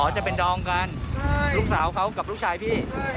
จะเป็นดองกันลูกสาวเขากับลูกชายพี่